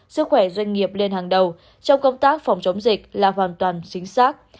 sức khỏe doanh nghiệp lên hàng đầu trong công tác phòng chống dịch là hoàn toàn chính xác